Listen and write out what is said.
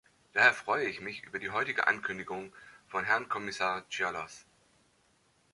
Daher freue ich mich über die heutige Ankündigung von Herrn Kommissar Cioloş.